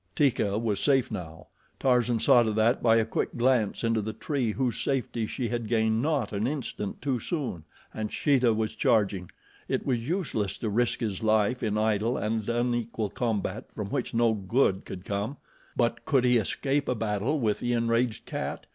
Teeka was safe now; Tarzan saw to that by a quick glance into the tree whose safety she had gained not an instant too soon, and Sheeta was charging. It was useless to risk his life in idle and unequal combat from which no good could come; but could he escape a battle with the enraged cat?